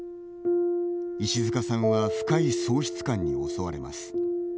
石塚さんは深い喪失感に襲われます。